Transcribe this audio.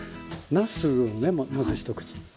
なすをねまず一口。